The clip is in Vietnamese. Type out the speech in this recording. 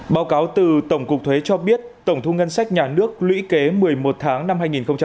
báo cáo từ tổng cục thuế cho biết tổng thu ngân sách nhà nước lũy kế một mươi một tháng năm hai nghìn một mươi chín